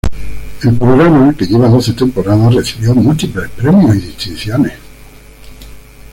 El programa, que lleva doce temporadas, recibió múltiples premios y distinciones.